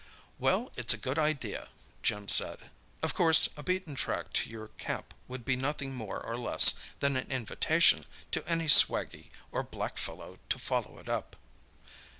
"Well, it's a great idea," Jim said. "Of course, a beaten track to your camp would be nothing more or less than an invitation to any swaggie or black fellow to follow it up."